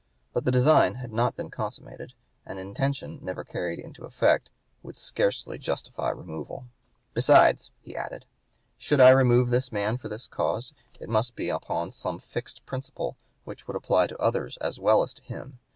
But the design had not been consummated, and an intention never carried into effect would scarcely justify removal. "Besides [he added], should I remove this man for this cause it must be upon some fixed principle, which would apply to others as well as to him.